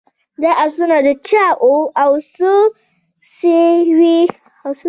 دا آسونه د چا وه او څه سوه.